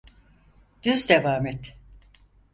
Düz devam et.